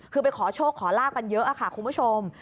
คือไปขอโชคขอลาบกันเยอะค่ะคุณผู้ชม